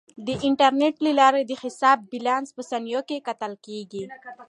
د انټرنیټ له لارې د حساب بیلانس په ثانیو کې کتل کیږي.